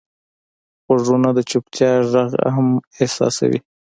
غوږونه د چوپتیا غږ هم احساسوي